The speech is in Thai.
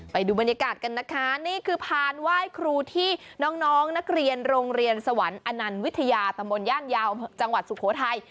ไปดูบรรยากาศกันนะคะนี่คือพานไหว้ครูที่น้องน้องนักเรียนโรงเรียนสวรรค์อนันต์วิทยาตำบลย่านยาวจังหวัดสุโขทัย